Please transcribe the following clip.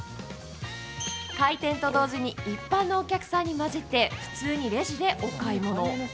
開店と同時に一般のお客さんに交じって普通のレジでお買い物。